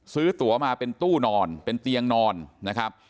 ตัวมาเป็นตู้นอนเป็นเตียงนอนนะครับ